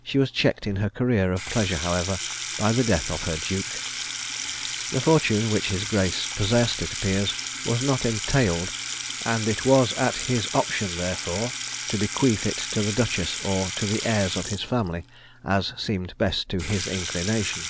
She was checked in her career of pleasure, however, by the death of her duke. The fortune which his grace possessed, it appears, was not entailed, and it was at his option, therefore, to bequeath it to the duchess or to the heirs of his family, as seemed best to his inclination.